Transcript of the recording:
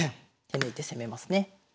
手抜いて攻めますね。